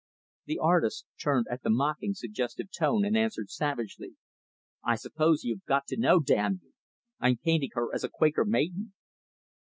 The artist turned at the mocking, suggestive tone and answered savagely, "I suppose you have got to know, damn you! I'm painting her as a Quaker Maiden."